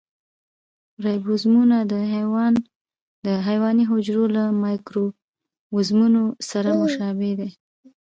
رایبوزومونه د حیواني حجرو له مایکروزومونو سره مشابه دي.